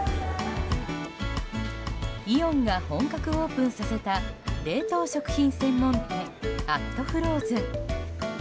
イオンが本格オープンさせた冷凍食品専門店＠ＦＲＯＺＥＮ。